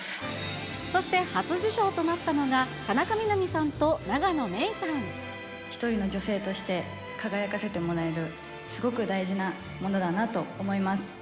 そして初受賞となったのが、１人の女性として、輝かせてもらえる、すごく大事なものだなと思います。